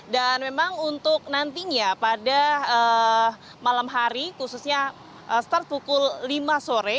dan memang untuk nantinya pada malam hari khususnya mulai pukul lima sore